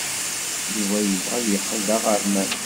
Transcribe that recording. Yuba yebɣa ad yeqqel d aɣerman.